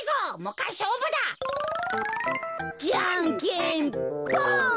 じゃんけんぽん。